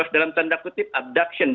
dalam tanda kutip abduction